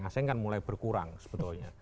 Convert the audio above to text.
asing kan mulai berkurang sebetulnya